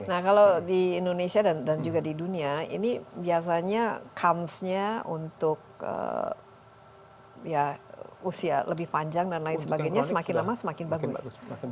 nah kalau di indonesia dan juga di dunia ini biasanya kansnya untuk usia lebih panjang dan lain sebagainya semakin lama semakin bagus